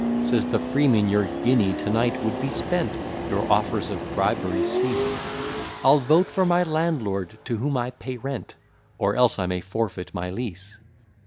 Says the freeman, your guinea to night would be spent! Your offers of bribery cease: I'll vote for my landlord to whom I pay rent, Or else I may forfeit my lease.